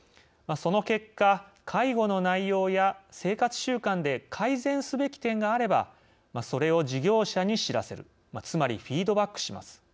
その結果、介護の内容や生活習慣で改善すべき点があればそれを事業者に知らせるつまりフィードバックします。